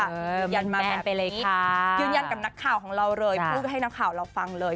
ยืนยันมาเป็นอย่างนี้ยืนยันกับนักข่าวของเราเลยพูดให้นักข่าวเราฟังเลย